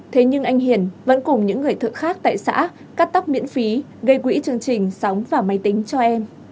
thế nhưng anh hiền vẫn cùng những người thợ khác tại xã cắt tóc miễn phí gây quỹ chương trình sóng và máy tính cho em